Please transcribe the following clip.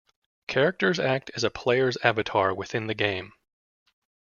Characters act as a player's avatar within the game.